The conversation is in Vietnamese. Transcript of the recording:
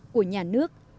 của nhà nước